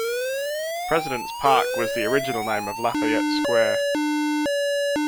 President's Park was the original name of Lafayette Square.